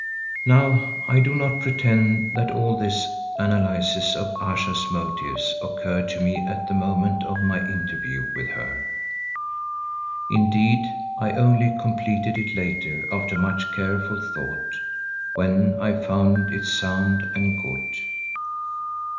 Now I do not pretend that all this analysis of Ayesha's motives occurred to me at the moment of my interview with her; indeed, I only completed it later after much careful thought, when I found it sound and good.